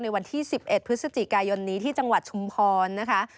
วันที่๑๑พฤศจิกายนนี้ที่จังหวัดชุมพรนะคะ